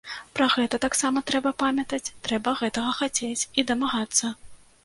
Пра гэта таксама трэба памятаць, трэба гэтага хацець і дамагацца.